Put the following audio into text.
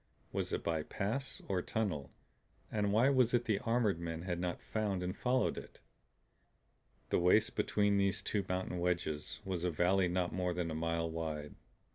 Was it by pass or tunnel; and why was it the armored men had not found and followed it? The waist between these two mountain wedges was a valley not more than a mile wide.